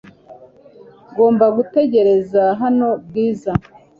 Ngomba gutegereza hano Bwiza .